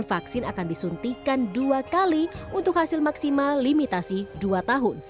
vaksin akan disuntikan dua kali untuk hasil maksimal limitasi dua tahun